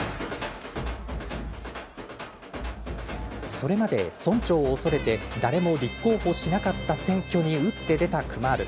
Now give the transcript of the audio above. それまで村長を恐れて誰も立候補しなかった選挙に打って出たクマール。